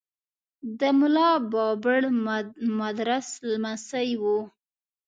د ملا بابړ مدرس لمسی و.